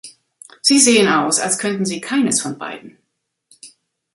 Sie sehen aus als könnten sie keines von beiden“.